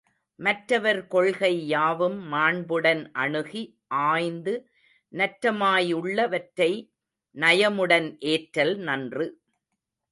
மற்றவர் கொள்கை யாவும் மாண்புடன் அணுகி ஆய்ந்து நற்றமா யுள்ள வற்றை நயமுடன் ஏற்றல் நன்று.